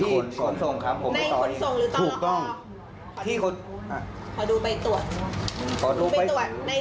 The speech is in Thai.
คนส่งครับผมไม่ต่อหรือถูกที่คนขอดูไปตรวจขอดูไปตรวจใน